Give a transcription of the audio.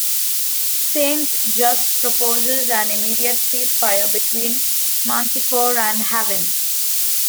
Saint-Just proposes an immediate cease-fire between Manticore and Haven.